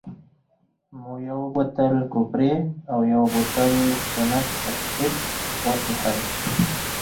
مو یو بوتل کپري او یو بوتل سنت اېسټېف وڅېښل.